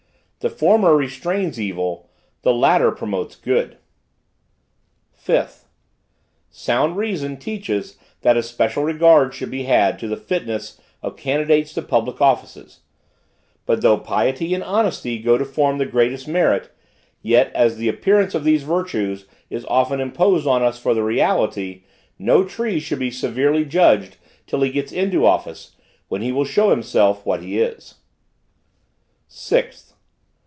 The former restrains evil; the latter promotes good. "5th. Sound reason teaches that especial regard should be had to the fitness of candidates to public offices; but, though piety and honesty go to form the greatest merit, yet, as the appearance of these virtues is often imposed on us for the reality, no tree should be severely judged till he gets into office, when he will show himself what he is. "6th.